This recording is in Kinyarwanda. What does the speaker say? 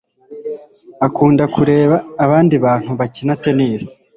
akunda kureba abandi bantu bakina tennis